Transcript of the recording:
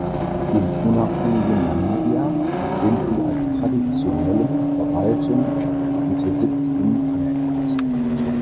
Im unabhängigen Namibia sind sie als traditionellen Verwaltung mit Sitz in anerkannt.